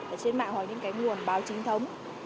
ở trên mạng hoặc những cái nguồn báo chính thống